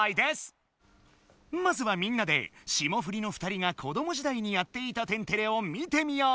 まずはみんなで霜降りの２人が子ども時代にやっていた「天てれ」を見てみよう。